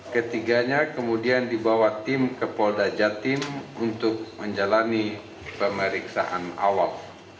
ketiganya kemudian dibawa tim ke polda jatim untuk menjalani pemeriksaan awal